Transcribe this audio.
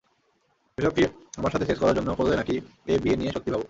এসব কি আমার সাথে সেক্স করার জন্য করলে নাকি এ বিয়ে নিয়ে সত্যিই ভাবো?